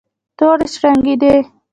تورې شرنګېدې.